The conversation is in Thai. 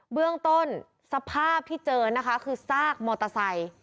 เบื้องต้นสภาพที่เจอนะคะคือซากมอเตอร์ไซค์